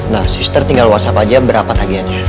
nah sister tinggal whatsapp aja berapa tagihannya